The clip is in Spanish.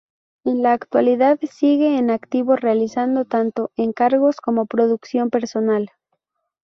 En la actualidad sigue en activo realizando tanto encargos como producción personal.